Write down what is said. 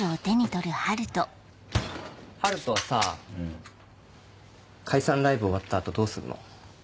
春斗はさ解散ライブ終わった後どうすんの？